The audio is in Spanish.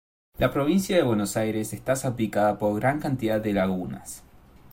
La Provincia de Buenos Aires está salpicada por gran cantidad de lagunas.